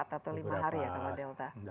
empat atau lima hari ya nama delta